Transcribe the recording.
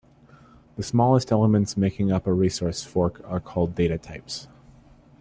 The smallest elements making up a resource fork are called data types.